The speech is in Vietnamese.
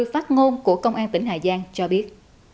phát ngôn của công an tỉnh hà giang cho biết